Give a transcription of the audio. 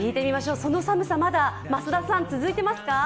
その寒さ、まだ続いていますか？